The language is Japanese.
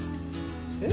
えっ？